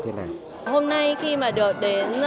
hôm nay khi mà được đến